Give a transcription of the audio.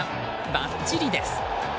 ばっちりです。